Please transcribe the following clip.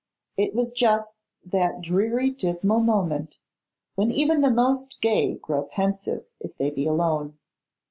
It was just that dreary dismal moment, when even the most gay grow pensive, if they be alone.